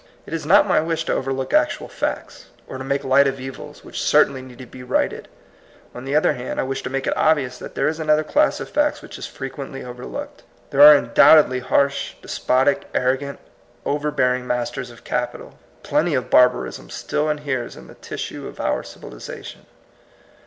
It is not my wish to overlook actual facts, or to make light of evils which certainly need to be righted. On the other hand, I wish to make it obvious "that there is another class of facts which is frequently overlooked. There are undoubtedly harsh, despotic, arrogant, overbearing roasters of capital. Plenty of barbarism still inheres in the tissue of our civilization.